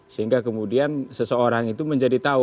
sehingga kemudian seseorang itu menjadi tahu